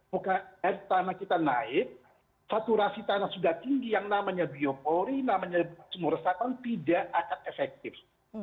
muka air tanah kita naik saturasi tanah sudah tinggi yang namanya biopori namanya sumur resapan tidak akan efektif